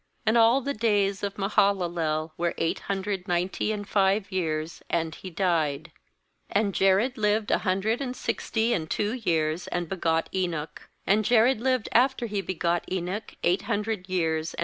17And all the days of Mahalalel were eight hundred ninety and five years; and he died. 18 And Jared fived a hundred sixty and two years, and begot Enoch. 19And Jared lived, after he begot Enoch * That is, Wandering.